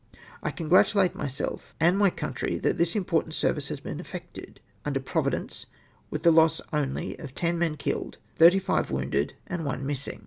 1 congratukde myself and my country thai this important service has been effected, under Providence, ivith the loss only of ten men killed, thirty five wounded, and one missing.